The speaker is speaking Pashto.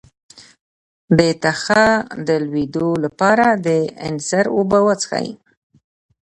د تخه د لوییدو لپاره د انځر اوبه وڅښئ